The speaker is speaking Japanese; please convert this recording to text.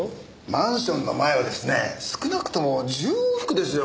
マンションの前をですね少なくとも１０往復ですよ。